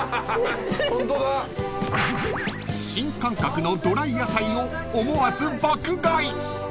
［新感覚のドライ野菜を思わず爆買い］